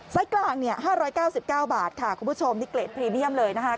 กลางเนี่ย๕๙๙บาทค่ะคุณผู้ชมนี่เกรดพรีเมียมเลยนะคะ